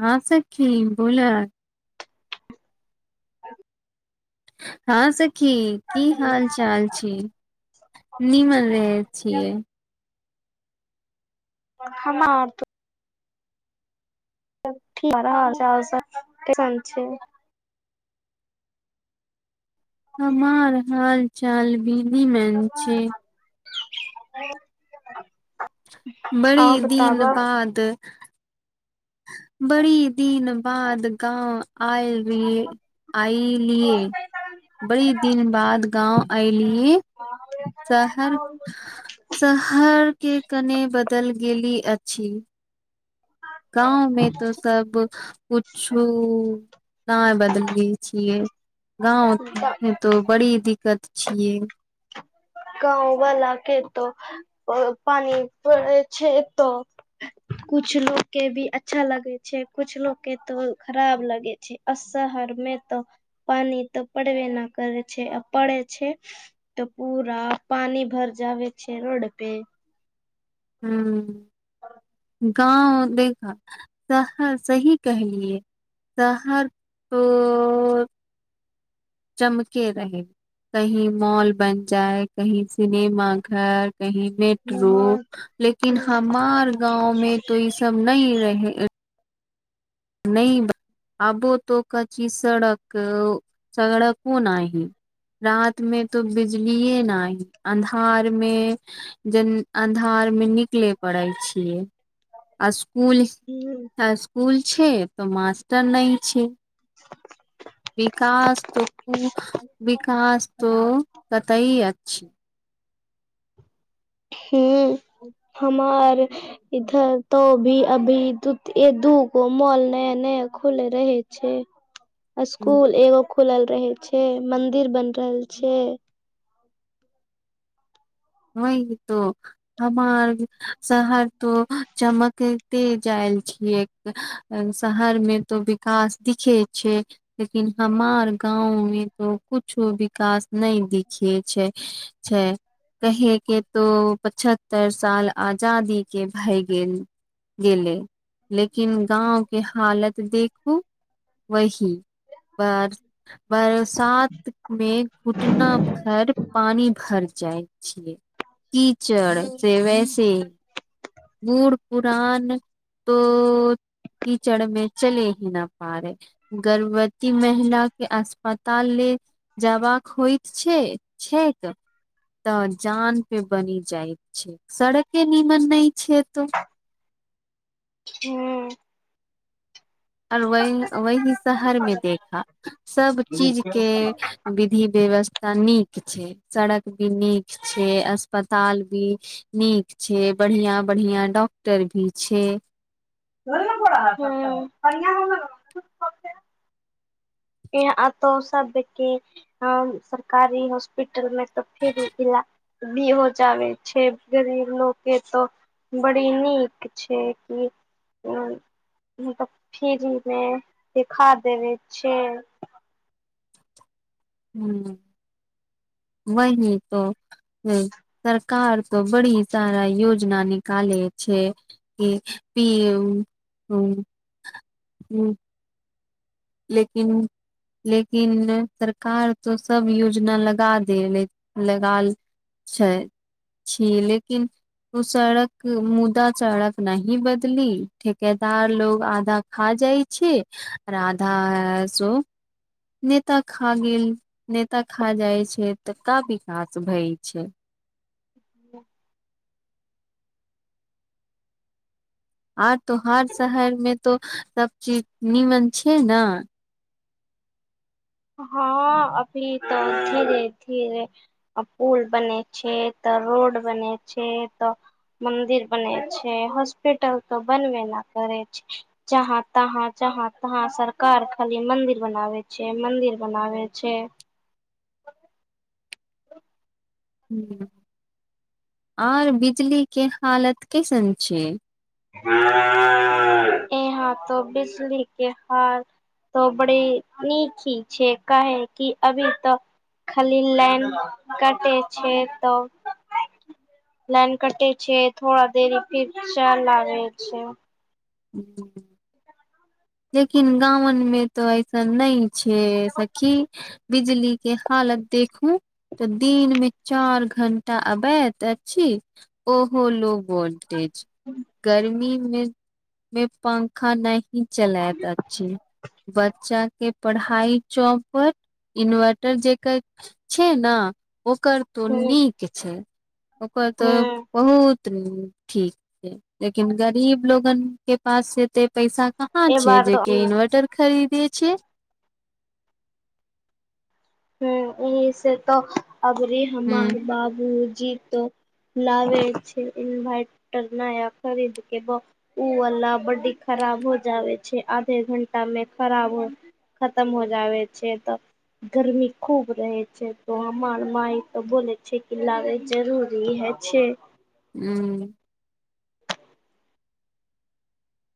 हँ सखी बोलअ हँ सखी की हाल चाल छै नीमन छियै हम आब तो [unintelligible] ठीक केसन छै हमार हाल चाल भी नीमन छै हमार [unintelligible] बड़ी दिन बाद बड़ी दिन बाद गाँव आइली आइलीयै बड़ी दिन बाद गाँव अयलिय शहर शहर के कनि बदल गेली अछि गाँंव में तो सब कुछु ना बदली छियै गाँवमे तो बड़ी दिक्कत छियै गाँव वला के त पानि परै छै त [inaudible] कुछ लोग के भी अच्छा लगे छै कुछ लोग के तो खराब लगे छै अ शहर मे तऽ पानि तऽ पड़व न करै छै आ पड़े छै तऽ पूरा पानी भर जाबे छै रोड पे हू गाँव मे ना त ह सही कहलियए शहर तो चमके रहे कही मॉल बन जाय कहीं सिनेमा घर कही मेट्रो लेकिन हमार गाँंव में तो ई सब नइ रह नइ आबो तोक कच्ची सड़क सड़कों न ह रात मे तो बिजलीए नाइ अन्धार मे जे अनहार में निकले पड़े छियै आ स्कूल हूँ स्कूल छै त मास्टर नइ छै [inaudible] विकास त कूल विकास तो कतैइ अछ हूँ हमार इधर तो भी अभी दु दूगो मॉल नये नये खुले रहे छै [inaudible] स्कूल एगो खुलल रहे छै मंदिर बनि रहल छै वहीं तो हमार शहर तो चमकते जायल छियै शहर मे तऽ विकास दिखे छै लेकिन हमार गाँव मे तो कुछो विकास नहि दिखे छै छै कहे के तो पछत्तर साल आजादी के भय गेल गेलै लेकिन गाँव के हालत देखू वही बरस बरसात में घुटना भर पानी भर जाय छै की चड़ से वैसे बूढ़ पुरान तो कीचड़ में चलै ही ना पा रहे गर्भवती महिला के अस्पताल लेल जबाक होइत छै छै तऽ तऽ जान पे बनि जाइत छै सड़के नीमन नहि छै एतो हुं आ और वहीं वही शहर मे देखा सब चीज के विधि व्यवस्था नीक छै सड़क भी नीक छै अस्पताल भी नीक छै बढ़िया बढ़िया डॉक्टर भी छै हुं एह अतो सबके हाँ सरकारी हॉस्पिटल में तऽ फ्री इलाज भीहो जाबे छै गरीब लोक तऽ बड़ी नीक छै कि मतलब फ्री मे देखा देबे छै हुं वही तो सरकार तऽ बड़ी सारा योजना निकाले छै ह भ ह ह लेकिन लेकिन सरकार तो सब योजना लगा देल लग छै छी लेकिन ओ सड़क मुदा सड़क नहीं बदली ठेकेदार लोग आधा खा जाई छै आधा सो नेता खा गेल नेता खा जाय छै ता विकास भय छै ह आर तोहार शहर मे तो सब चीज नीमन छै ने हँ अभी तऽ धीरे धीरे पुल बने छै तऽ रोड बने छै तऽ मन्दिर बने छै हॉस्पिटल तऽ बनबे नऽ करै छै जहाँ तहाँ जहाँ तहाँ सरकार खाली मन्दिर बनाबै छै मन्दिर बनाबै छै आर बिजली के हालत कैसन छै [inaudible] यहाँ तऽ बिजली के हाल तो बड़ी नीक ही छै कहे कि अभी तऽ खाली लाइन कटै छै तऽ लाइन कटे छै थड़ा देरी फिर चल लागे छै हुँ लेकिन गामन मे तो ऐसन नहि छै सखी बिजली के हालत देखू तऽ दिन मे चार घंटा आवैत अछि ओहो लोको वोट गर्मी मे मे पंखा नहि चलात अछि बच्चा के पढ़ाई चौपट इन्वर्टर जेकर छै ने ओकर तो हूँ नीक छै ओकर तऽ हूँ बहुत ठीक छै लेकिन गरीब लोगन के पास एते पैसा हँ ए छै बार जे तो क इन्वर्टर खरीदे छै ह इह से तो अभी ह हमार बाबूजी तो लागे छै इन्वर्टर नया खरीद के ब ओवला बड्डी खराब हो जावे छै आधे घंटा मे खराब हो खतम हो जाबे छै तऽ गरमी खूब रहै छै तऽ हमर माइ तऽ बोलै छै कि लागै जरूरी होइ छै हुँ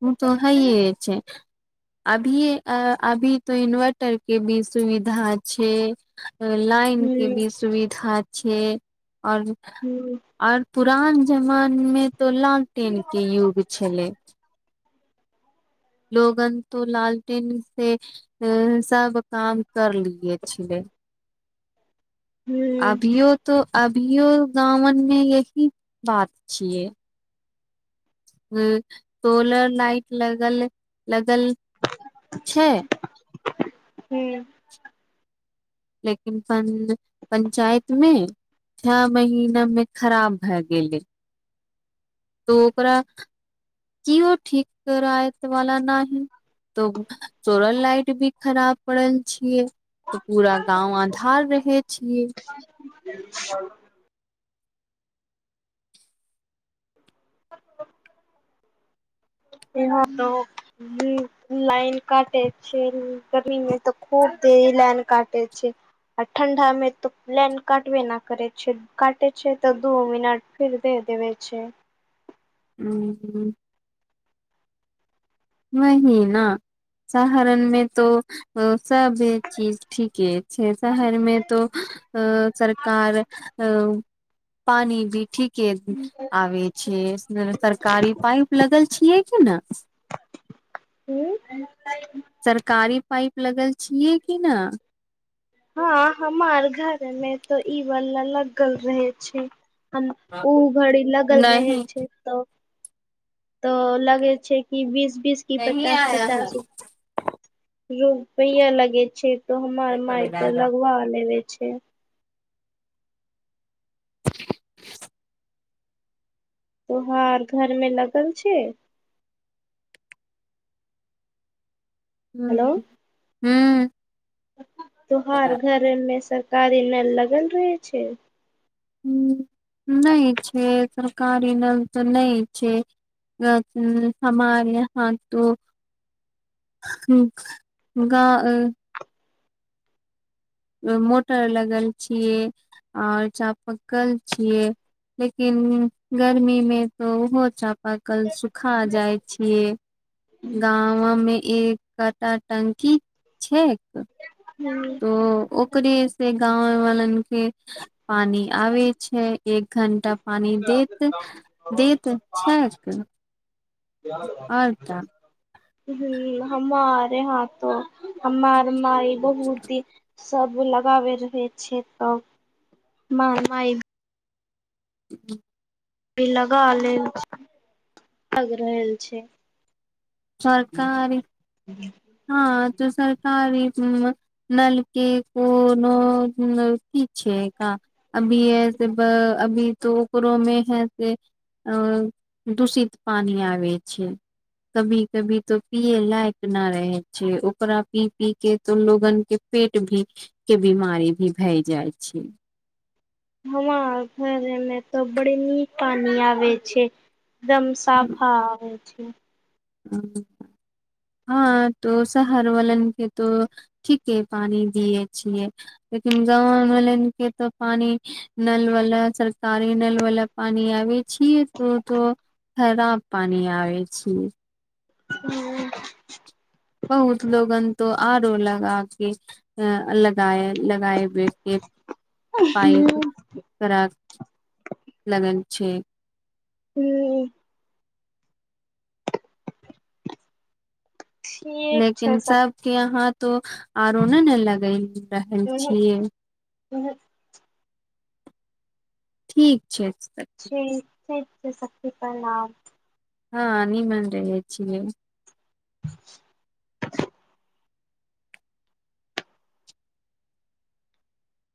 ह तऽ हइ छै अभी अभी तो इन्वर्टर के भी सुविधा छै लाइन हूँ के भी सुविधा छै और हूँ आओर पुरान जमान में तो लालटेन के युग छले लोगन तो लालटेन से सब काम कर लिये छलै हूँ अभियो तो अभियो गवनमे यही बात छियै अ सोलर लाइट लगल लगल छै हुँ लेकिन प पंचायत मे छह महीना में खराब भए गेले तो ओकरा कओ ठीक करा वाला न है तऽ सोरल लाइट भी खराब पड़ल छियै तऽ पूरा गाँंव आधार रहे छियै हुँ [unintelligible] [unintelligible] इहाँ त लाइन काटे छै गरीमे तऽ खूब देरी लाइन काटे छै आ ठंडा मे तऽ लाइन काटबे न करे छै काटे छै तऽ दू मिनट फिर दे देबे छै हुँ हुँ वही न सहरनमे तो ओ सब चीज ठीके छै शहरमे तो अ सरकार अ पानी भी ठीक के आबे छै सरकारी पाइप लगल छियै कि ने ह सरकारी पाइप लगल छियै कि ना हँ हमार घर मे तो ई वाला लगल रहे छै हम ओ घड़ी लगल रहे नहि छै तऽ तऽ लगे छै कि बीस बीस की नही पचास आया पचास है रु पय लगे छै तो हमर माय ते लगवा लेवे छै तोहार घर मे लगल छै हेलो ह हँ तो हर घर मे सरकारी नल लगल रहे छै ह नहि छै सरकारी नहि तऽ नहिई छै समान ह तू ह ग मोटर लगल छीयै आऔर चापकल छीयै लेकिन गर्मी में तो ओहो चापा कल सुखा जाय छियै गाँवमे एक कटा टंकी छैक हूँ ओ ओकरे से गाँव वालन के पानि आबे छै एक घंटा आ दैत दैत छैक आओर ता हमारे यहा तो हमार माई बहुत ही सब लगाबे रहे छै तब माय माय ह लगा लेल छै अलग रहल छै सरकारी [inaudible] हँ तऽ सरकारी नलके कोनो ठीक छै कह अभी ऐस अभी तो ओकरोमे है से दूषित पानि आबै छै कभी कभी तो पियए लायक ना रहै छै ओकरा पी पी के तो लोगन के पेट भी के बिमारी भी भय जाइ छै हम घरमे तऽ बड़ी नीक पानी आबे छै एकदम साफा आबै छै हू हँ तो शहर वालन के तो ठीके पानी दिये छियै लेकिन गाँव वालन के तऽ पानी नल वला सरकारी नल वला पानी आबे छियै त खराब पानि आबै छियै हू बहुत लोगन तो आरो लगा के अ लगए लगाबै के पाइप हूँ खराब लगल छै हूँ ठीक छै लेकिन स सबके यहाँ तो आरो नहि ने लग रहल छियै ह ठीक छै तऽ ठीक छै तऽ सखी प्रणाम हा नियमन रहै छियै [unintelligible]